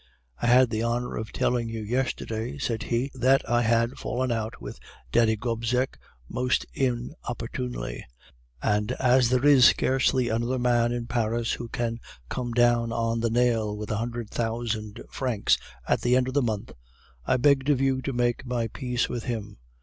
"'I had the honor of telling you yesterday,' said he, 'that I had fallen out with Daddy Gobseck most inopportunely; and as there is scarcely another man in Paris who can come down on the nail with a hundred thousand francs, at the end of the month, I begged of you to make my peace with him.